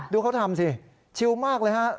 เขาทำสิชิลมากเลยฮะ